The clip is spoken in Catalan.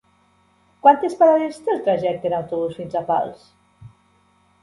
Quantes parades té el trajecte en autobús fins a Pals?